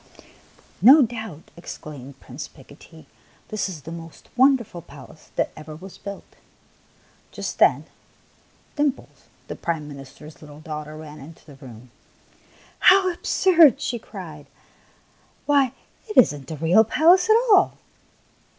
" No doubt," exclaimed Prince Picotee, " this is the most wonderful palace that ever was built !" Just then Dimples, the Prime Minister's little daughter, ran into the room. " How ab surd !" she cried. " Why, it is n't a real palace at all!"